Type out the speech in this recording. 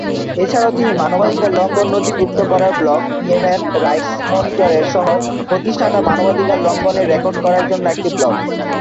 এছাড়াও তিনি মানবাধিকার লঙ্ঘন নথিভূক্ত করার ব্লগ "ইয়েমেন রাইটস মনিটরের" সহ-প্রতিষ্ঠাতা, মানবাধিকার লঙ্ঘনের রেকর্ড করার জন্য একটি ব্লগ।